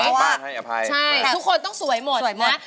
ใช่ทุกคนต้องสวยหมดนะ